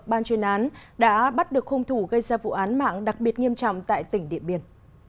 ban chuyên án đã bắt được hung thủ gây ra vụ án mạng đặc biệt nghiêm trọng tại tỉnh điện biên